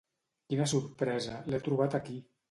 Quina sorpresa, l'he trobat aquí.